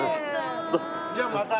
じゃあまた。